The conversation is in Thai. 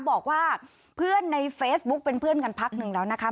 บอกว่าเพื่อนในเฟซบุ๊กเป็นเพื่อนกันพักหนึ่งแล้วนะคะ